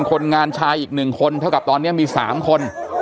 คนงานชายอีกหนึ่งคนเท่ากับตอนเนี้ยมีสามคน